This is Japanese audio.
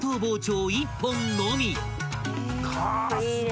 ［一本のみ］